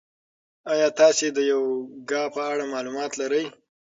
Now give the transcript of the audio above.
ایا تاسي د یوګا په اړه معلومات لرئ؟